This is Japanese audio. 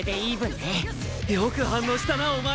よく反応したなお前。